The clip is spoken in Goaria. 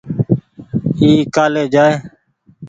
اي ڪآلي جآئي۔